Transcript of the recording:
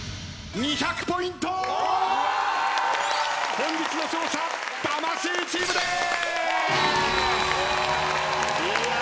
本日の勝者魂チームでーす！